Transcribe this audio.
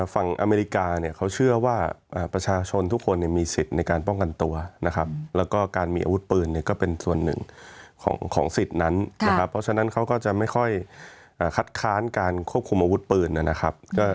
อเมริกาเนี่ยเขาเชื่อว่าประชาชนทุกคนมีสิทธิ์ในการป้องกันตัวนะครับแล้วก็การมีอาวุธปืนเนี่ยก็เป็นส่วนหนึ่งของสิทธิ์นั้นนะครับเพราะฉะนั้นเขาก็จะไม่ค่อยคัดค้านการควบคุมอาวุธปืนนะครับ